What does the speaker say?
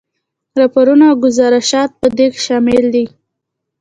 راپورونه او ګذارشات په دې کې شامل دي.